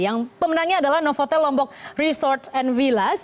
yang pemenangnya adalah novotel lombok resort and vilas